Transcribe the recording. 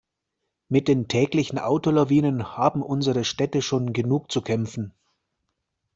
Mit den täglichen Autolawinen haben unsere Städte schon genug zu kämpfen.